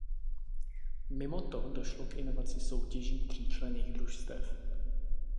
Mimo to došlo k inovaci soutěží tříčlenných družstev.